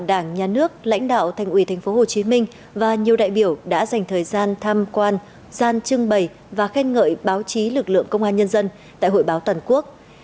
đảng nhà nước lãnh đạo thành ủy tp hcm và nhiều đại biểu đã dành thời gian tham quan gian trưng bày và khen ngợi báo chí lực lượng công an nhân dân tại hội báo toàn quốc